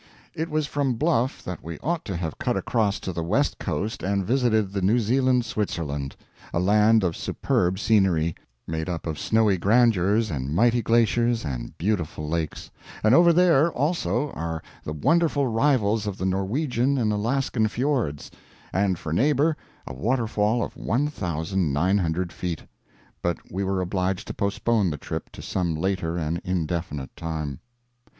It was from Bluff that we ought to have cut across to the west coast and visited the New Zealand Switzerland, a land of superb scenery, made up of snowy grandeurs, anal mighty glaciers, and beautiful lakes; and over there, also, are the wonderful rivals of the Norwegian and Alaskan fiords; and for neighbor, a waterfall of 1,900 feet; but we were obliged to postpone the trip to some later and indefinite time.